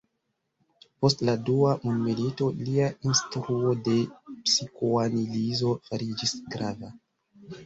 Post la dua mondmilito lia instruo de psikoanalizo fariĝis grava.